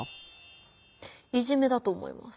いじめだと思います。